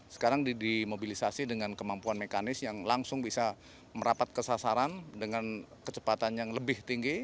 sekarang dimobilisasi dengan kemampuan mekanis yang langsung bisa merapat ke sasaran dengan kecepatan yang lebih tinggi